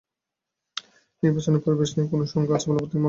নির্বাচনের পরিবেশ নিয়ে কোনো শঙ্কা আছে বলে তিনি মনে করেন না।